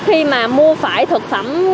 khi mà mua phải thực phẩm